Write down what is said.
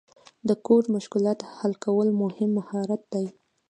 د کوډ مشکلات حل کول مهم مهارت دی.